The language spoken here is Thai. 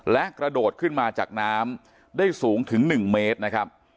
และกระโดดขึ้นมาจากน้ำได้สูงถึง๑เมตรนะครับ